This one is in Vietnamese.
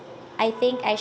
vì tôi thích